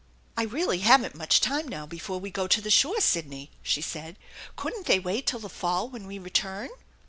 " I really haven't much time now before we go to the shore, Sidney," she said. " Couldn't they wait till the fall when we return